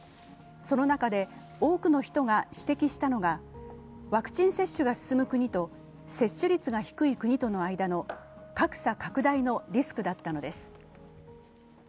その中で多くの人が指摘したのが、ワクチン接種が進む国と接種率が低い国との間の格差拡大のリスクだったのです。